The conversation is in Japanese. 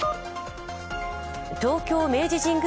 東京・明治神宮